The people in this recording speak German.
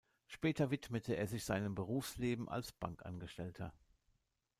Später widmete er sich seinem Berufsleben als Bankangestellter.